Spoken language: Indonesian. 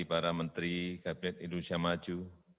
para menteri kabinet indonesia maju